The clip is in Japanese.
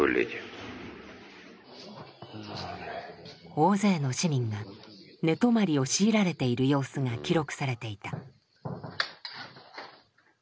大勢の市民が寝泊まりを強いられている様子が記録されていた。